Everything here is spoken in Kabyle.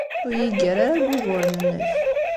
Ur iyi-ggar ara deg wuguren-nnek.